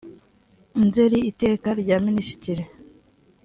nzeri iteka rya minisitiri